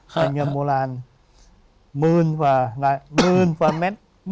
กับเงินโมลัน๑๐๐๐๐ว่าเม็ด